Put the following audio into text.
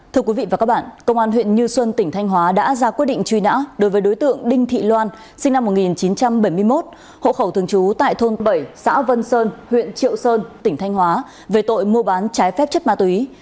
thưa quý vị và các bạn công an huyện như xuân tỉnh thanh hóa đã ra quyết định truy nã đối với đối tượng đinh thị loan sinh năm một nghìn chín trăm bảy mươi một hộ khẩu thường trú tại thôn bảy xã vân sơn huyện triệu sơn tỉnh thanh hóa về tội mua bán trái phép chất ma túy